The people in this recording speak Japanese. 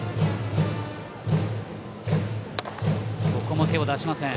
ここも手を出しません。